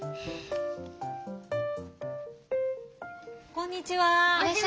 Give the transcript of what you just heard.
こんにちは。